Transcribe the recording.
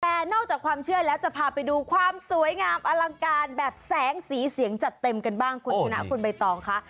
แต่นอกจากความเชื่อแล้วจะพาไปดูความสวยงามอลังการแบบแสงสีเสียงจัดเต็มกันบ้างคุณชนะคุณใบตองค่ะ